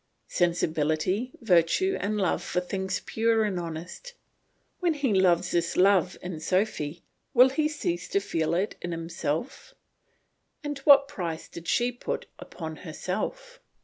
Sensibility, virtue, and love for things pure and honest. When he loves this love in Sophy, will he cease to feel it himself? And what price did she put upon herself?